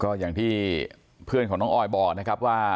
ก็อย่างที่เพื่อนของน้องออยบอกนะครับว่า